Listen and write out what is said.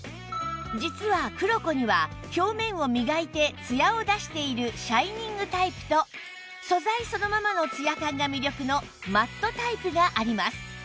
実はクロコには表面を磨いてツヤを出しているシャイニングタイプと素材そのままのツヤ感が魅力のマットタイプがあります